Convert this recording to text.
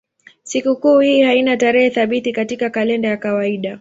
Sikukuu hii haina tarehe thabiti katika kalenda ya kawaida.